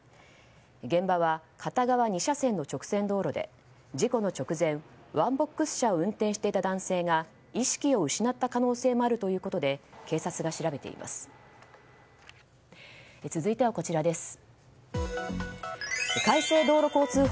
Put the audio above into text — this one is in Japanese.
現場は片側２車線の直線道路で事故の直前、ワンボックス車を運転していた男性が意識を失った可能性もあるということで警察が調べています。